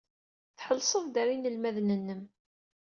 Tḥellseḍ-d ɣer yinelmaden-nnem.